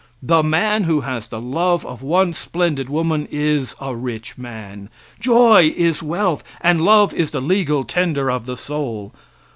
The man who has the love of one splendid woman is a rich man. Joy is wealth, and love is the legal tender of the soul!